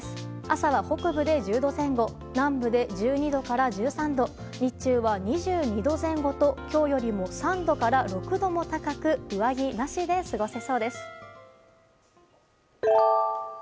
朝は北部で１０度前後南部で１２度から１３度日中は２２度前後と今日より３度から６度も高く上着なしで過ごせそうです。